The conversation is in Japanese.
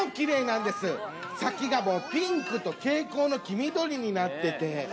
先がもうピンクと蛍光の黄緑になってて。